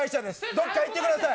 どっか行ってください